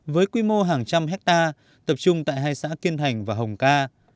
với quy mô hàng trăm hectare tập trung tại hai xã kiên thành và hồng ca